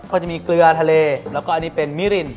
ก็จะมีเกลือทะเลแล้วก็อันนี้เป็นมิริน